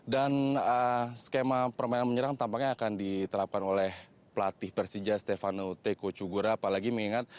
dan skema permainan menyerang tampaknya akan diterapkan oleh pelatih persija stefano teco cugura